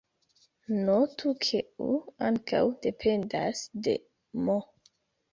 Notu, ke "u" ankaŭ dependas de "m".